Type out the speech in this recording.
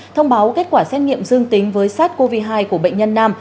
thông báo kết quả xét nghiệm dương tính với sars cov hai của bệnh nhân nam